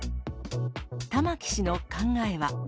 玉木氏の考えは。